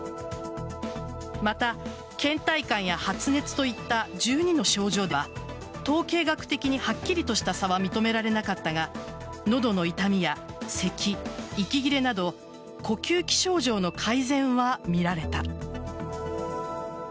また、倦怠感や発熱といった１２の症状では統計学的にはっきりとした差は認められなかったが喉の痛みやせき、息切れなど呼吸器症状の改善は見られた。